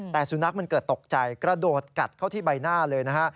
แต่สุนัขมันเกิดตกใจกระโดดกัดเข้าที่ใบหน้าเลยนะฮะ